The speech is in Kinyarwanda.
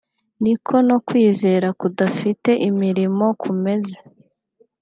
ni ko no kwizera kudafite imirimo kumeze